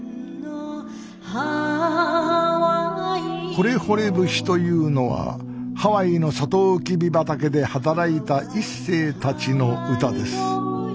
「ホレホレ節」というのはハワイのサトウキビ畑で働いた１世たちの歌です。